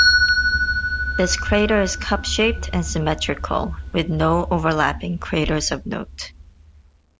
This crater is cup-shaped and symmetrical, with no overlapping craters of note.